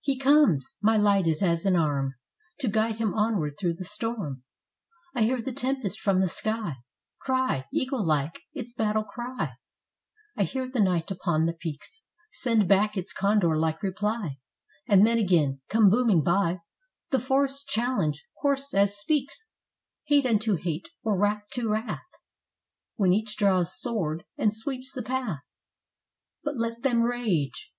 He comes! My light is as an arm To guide him onward through the storm. I hear the tempest from the sky Cry, eagle like, its battle cry; I hear the night, upon the peaks, Send back its condor like reply; And then again come booming by The forest's challenge, hoarse as speaks Hate unto hate, or wrath to wrath, When each draws sword and sweeps the path. But let them rage!